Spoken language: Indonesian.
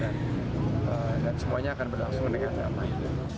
dan semuanya akan berlangsung dengan ramai